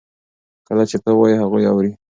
کله چې ته وایې هغوی اوري.